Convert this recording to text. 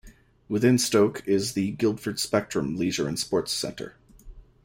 Within Stoke is the Guildford Spectrum leisure and sports centre.